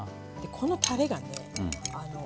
このたれがね